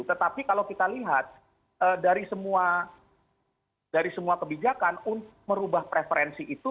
tetapi kalau kita lihat dari semua kebijakan untuk merubah preferensi itu